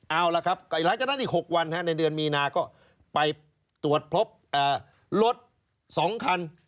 เอาล่ะครับหลังจากนั้นอีก๖วันในเดือนมีนาก็ไปตรวจพบรถ๒คัน